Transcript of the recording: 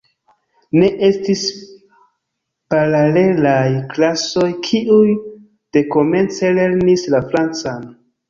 Ne estis paralelaj klasoj, kiuj dekomence lernis la francan.